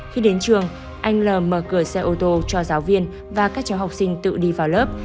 khi đến trường anh l mở cửa xe ô tô cho giáo viên và các cháu học sinh tự đi vào lớp